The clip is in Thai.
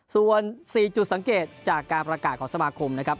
ส่วน๔จุดสังเกตจากการประกาศของสมาคมนะครับ